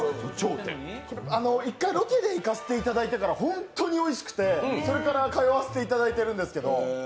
一回ロケで行かせていただいてから、本当においしくてそれから通わせていただいてるんですけど。